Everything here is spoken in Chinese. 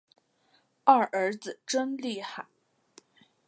二儿子真厉害